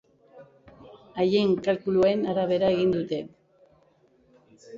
Haien kalkuluen arabera egin dute.